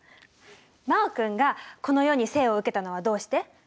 真旺君がこの世に生を受けたのはどうして？